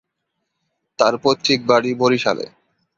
তার পৈতৃক বাড়ি বরিশালে।